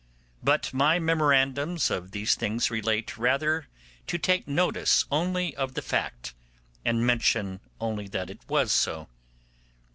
But my memorandums of these things relate rather to take notice only of the fact, and mention only that it was so.